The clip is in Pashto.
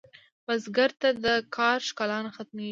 بزګر ته د کار ښکلا نه ختمېږي